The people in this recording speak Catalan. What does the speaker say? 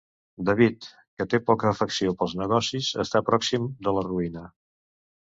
David, que té poca afecció pels negocis, està pròxim de la ruïna.